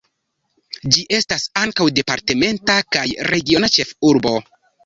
Ĝi estas ankaŭ departementa kaj regiona ĉefurbo.